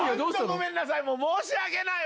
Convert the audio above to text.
ごめんなさい！